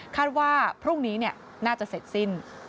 ว่าพรุ่งนี้น่าจะเสร็จสิ้น